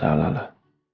tapi gak masalah lah